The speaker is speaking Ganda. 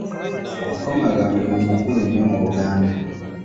Okukomaga mulimu mukulu nnyo mu Buganda.